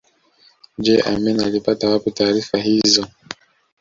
Je Amin alipata wapi taarifa hizo